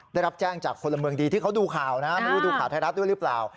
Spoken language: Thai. ได้รับแจ้งจากพลเมืองดีที่เขาดูข่าวนะไม่รู้ดูข่าวไทยรัฐด้วยหรือเปล่า